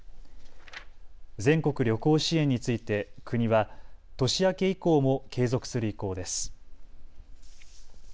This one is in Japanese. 全国旅行支援について国は年明け以降も継続する意向です。